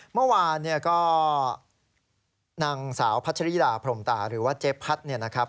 เมื่อวานเนี่ยก็นางสาวพัชริดาพรมตาหรือว่าเจ๊พัดเนี่ยนะครับ